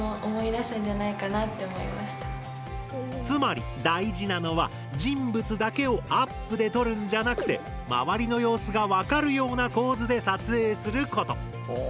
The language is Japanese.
つまり大事なのは人物だけをアップで撮るんじゃなくて周りの様子がわかるような構図で撮影すること。